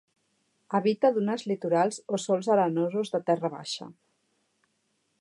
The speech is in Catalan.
Habita dunes litorals o sòls arenosos de terra baixa.